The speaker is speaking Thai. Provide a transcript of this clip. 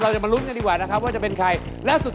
เราจะมารุ้นกันดีกว่านะครับว่าจะเป็นใคร